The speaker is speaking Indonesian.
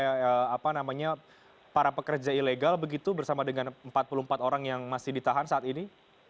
ada apa namanya para pekerja ilegal begitu bersama dengan empat puluh empat orang yang masih ditahan saat ini